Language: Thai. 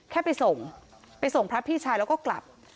แค่ไปส่งไปส่งพระพี่ชายแล้วก็กลับ